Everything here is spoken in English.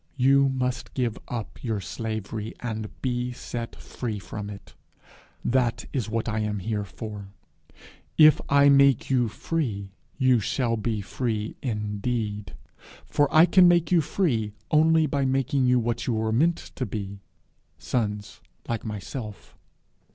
You must give up your slavery, and be set free from it. That is what I am here for. If I make you free, you shall be free indeed; for I can make you free only by making you what you were meant to be, sons like myself.